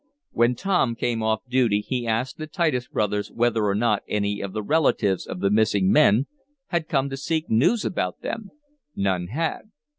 When Tom came off duty he asked the Titus brothers whether or not any of the relatives of the missing men had come to seek news about them. None had.